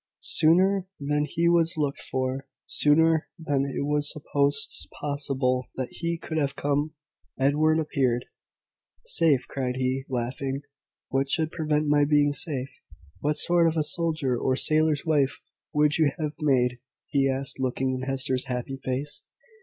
Sooner than he was looked for sooner than it was supposed possible that he could have come Edward appeared. "Safe!" cried he, laughing: "what should prevent my being safe? What sort of a soldier's or sailor's wife would you have made?" he asked, looking in Hester's happy face.